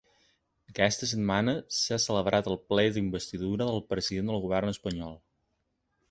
Aquesta setmana s’ha celebrat el ple d’investidura del president del govern espanyol.